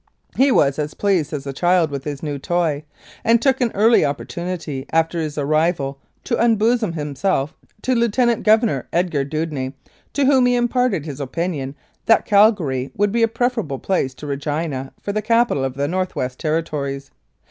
He was as pleased as a child with a new toy, and took an early opportunity after his arrival to unbosom himself to Lieutenant Governor Edgar Dewdney, to whom he imparted his opinion that Calgary would be a preferable place to Regina for the capital of the North West Territories.